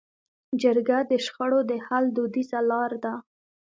جرګه د شخړو د حل دودیزه لار ده.